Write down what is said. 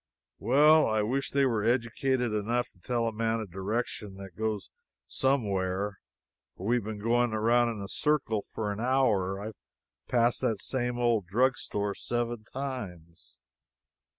"Well, I wish they were educated enough to tell a man a direction that goes some where for we've been going around in a circle for an hour. I've passed this same old drugstore seven times."